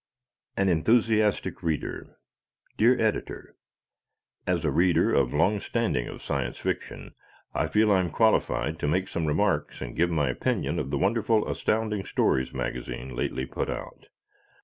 An Enthusiastic Reader Dear Editor: As a reader of long standing of Science Fiction I feel I am qualified to make some remarks and give my opinion of the wonderful Astounding Stories magazine lately put out.